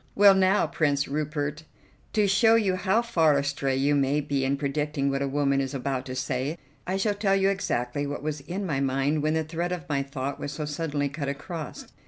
"Well, now, Prince Rupert, to show you how far astray you may be in predicting what a woman is about to say, I shall tell you exactly what was in my mind when the thread of my thought was so suddenly cut across.